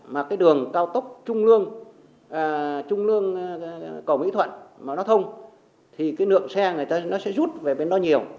mà cái đường cao tốc trung lương trung lương cổ mỹ thuận mà nó thông thì cái lượng xe người ta nó sẽ rút về bên đó nhiều